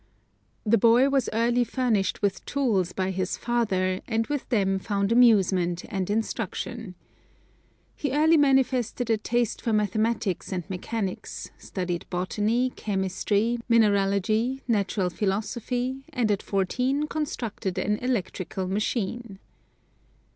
The boy was early furnished with tools by his father, and with them found amusement and instruction. He early manifested a taste for mathematics and mechanics, studied botany, chemistry, mineralogy, natural philosophy, and at fourteen constructed an electrical machine.